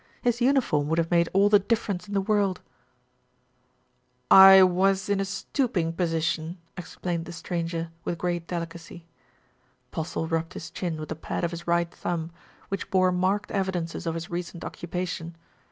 His uniform would have made all the difference in the world. 233 234. THE RETURN OF ALFRED "I was in a stooping position," explained the stranger, with great delicacy. Postle rubbed his chin with the pad of his right thumb, which bore marked evidences of his recent occupation.